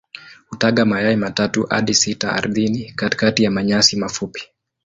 Hutaga mayai matatu hadi sita ardhini katikati ya manyasi mafupi.